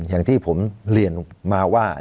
อย่างที่ผมเรียนมาว่า